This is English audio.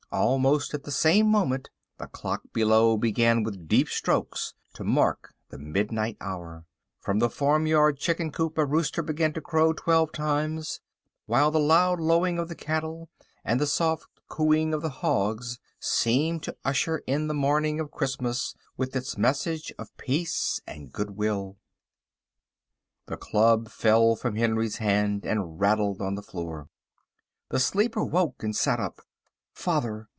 Almost at the same moment the clock below began with deep strokes to mark the midnight hour; from the farmyard chicken coop a rooster began to crow twelve times, while the loud lowing of the cattle and the soft cooing of the hogs seemed to usher in the morning of Christmas with its message of peace and goodwill. The club fell from Henry's hand and rattled on the floor. The sleeper woke, and sat up. "Father!